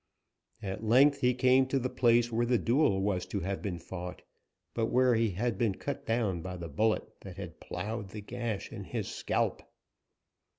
At length he came to the place where the duel was to have been fought but where he had been cut down by the bullet that had plowed the gash in his scalp.